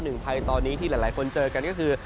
หนึ่งภัยตอนนี้ที่หลายคนเจอกันก็คือ